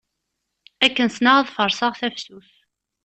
Akken sneɣ ad farṣeɣ tafsut.